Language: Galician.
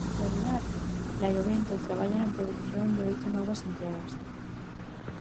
Na actualidade, Laiovento traballa na produción de oito novas entregas.